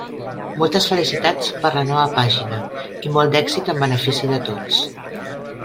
Moltes felicitats per la nova pàgina i molt d'èxit en benefici de tots.